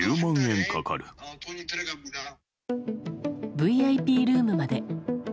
ＶＩＰルームまで。